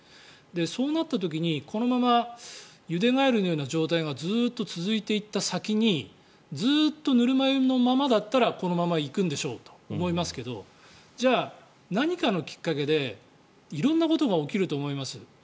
そうなった時に、このままゆでガエルのような状態がずっと続いていった先にずっとぬるま湯のままだったらこのままいくんでしょうと思いますがじゃあ、何かのきっかけで色んなことが起きると思います。